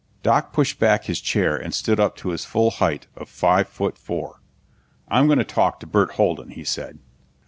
Doc pushed back his chair and stood up to his full height of five foot four. "I'm gonna talk to Burt Holden," he said.